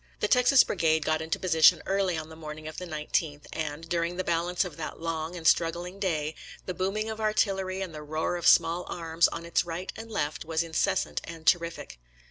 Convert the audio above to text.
The Texas Brigade got into position early on the morning of the 19th, and, during the bal ance of that long and struggling day, the boom ing of artillery and the roar of small arms on 140 REMINISCENCES OF CHICKAMAUGA 141 its right and left was incessant and terrific.